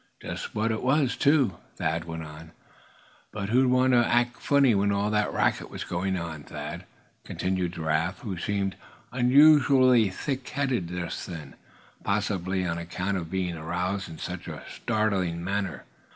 "Just what it was, too," Thad went on. "But who'd want to act funny when all that racket was going on, Thad?" continued Giraffe, who seemed unusually thick headed just then, possibly on account of being aroused in such a startling manner.